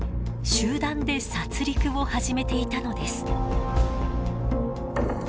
集団で殺戮を始めていたのです。